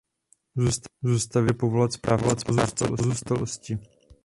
Zůstavitel může povolat správce pozůstalosti.